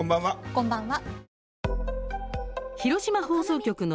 こんばんは。